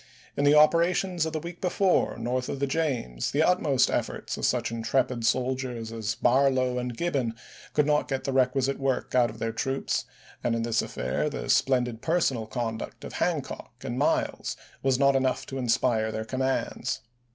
In the operations of the week before, north of the James, the utmost efforts of such intrepid soldiers as Barlow and Gibbon could not get the requisite work out of their troops, and in this affair, the splendid personal conduct of Hancock and Miles was not enough to inspire their commands.